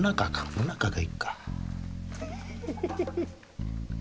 もなかがいいか。